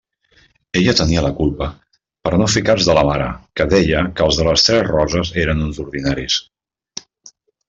Ella tenia la culpa, per no fer cas de la mare, que deia que els de Les Tres Roses eren uns ordinaris.